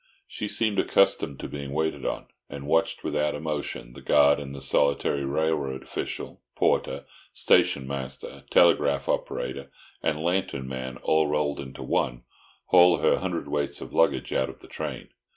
She seemed accustomed to being waited on, and watched without emotion the guard and the solitary railway official—porter, station master, telegraph operator and lantern man, all rolled into one—haul her hundredweights of luggage out of the train.